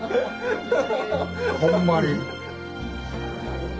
ほんまに。